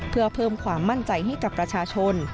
เพื่อเพิ่มความมั่นใจให้กับประชาชน